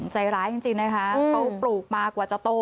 ใจร้ายจริงนะคะเขาปลูกมากว่าจะโต